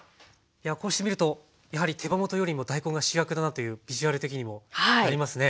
こうして見るとやはり手羽元よりも大根が主役だなというビジュアル的にもなりますね。